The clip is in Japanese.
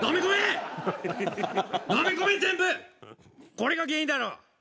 これが原因だろ？